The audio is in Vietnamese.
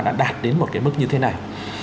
đã đạt đến một cái mức như thế này